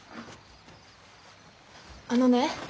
あのね